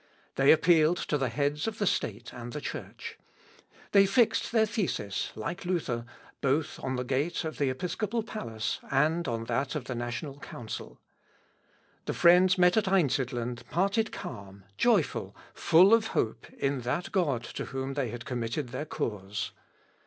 They appealed to the heads of the State and the Church. They fixed their thesis, like Luther, both on the gate of the episcopal palace and on that of the national council. The friends met at Einsidlen parted calm, joyful, full of hope in that God to whom they had committed their cause.